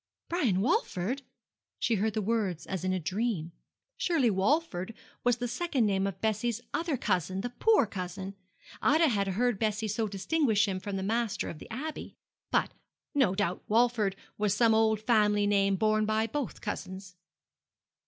'Brian Walford!' she heard the words as in a dream. Surely Walford was the second name of Bessie's other cousin, the poor cousin! Ida had heard Bessie so distinguish him from the master of the Abbey. But no doubt Walford was some old family name borne by both cousins.